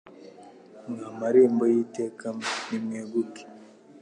Mwa marembo y'iteka mwe nimweguke